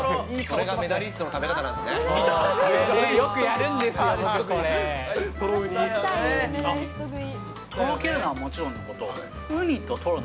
これがメダリストの食べ方なウニトロ。